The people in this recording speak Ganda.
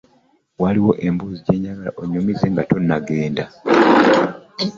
Waliwo emboozi gye njagala onnyumize nga tonnagenda.